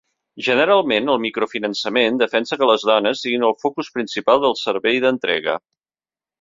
Generalment, el micro-finançament defensa que les dones siguin el focus principal del servei d'entrega.